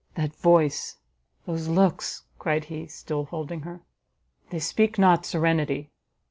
"That voice, those looks, " cried he, still holding her, "they speak not serenity!